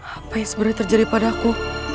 apa yang sebenarnya terjadi padaku